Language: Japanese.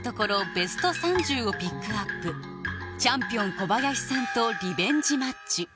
ベスト３０をピックアップチャンピオン小林さんとリベンジマッチ